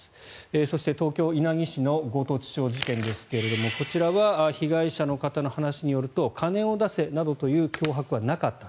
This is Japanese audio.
そして、東京・稲城市の強盗致傷事件ですがこちらは被害者の方の話によると金を出せなどという脅迫はなかった。